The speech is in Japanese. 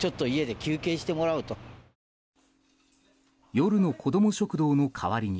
夜の子ども食堂の代わりに